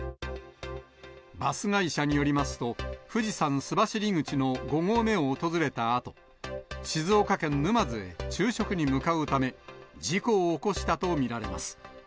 バス会社によりますと、富士山須走口の５合目を訪れたあと、静岡県沼津へ、昼食に向かうため、事故を起こしたと見られます。